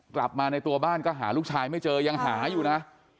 กลับมาในตัวบ้านก็หาลูกชายไม่เจอยังหาอยู่นะ